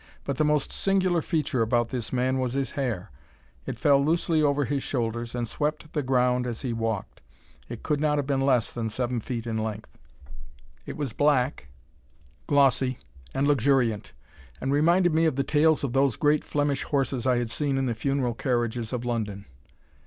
But the most singular feature about this man was his hair. It fell loosely over his shoulders, and swept the ground as he walked! It could not have been less than seven feet in length. It was black, glossy, and luxuriant, and reminded me of the tails of those great Flemish horses I had seen in the funeral carriages of London.